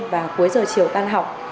và cuối giờ chiều tan học